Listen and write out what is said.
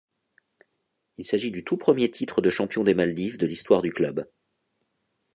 Il s'agit du tout premier titre de champion des Maldives de l'histoire du club.